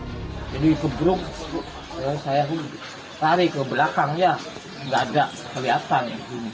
jumat sore ini keburuk saya tarik ke belakangnya nggak ada kelihatan